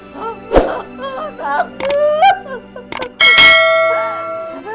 bapak aja dulu